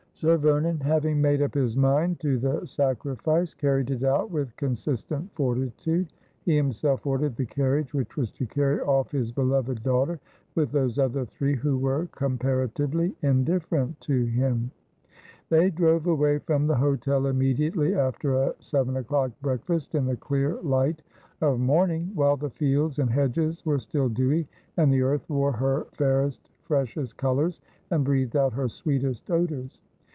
Sir Vernon, having made up his mind to the sacrifice, carried it out with consistent fortitude. He himself ordered the carriage which was to carry off his beloved daughter, with those other three who were comparatively indifferent to him. They drove away from the hotel immediately after a seven o'clock breakfast, in the clear light of morning, while the fields and hedges were still dewy, and the earth wore her fairest fresh est colours and breathed out her sweetest odours.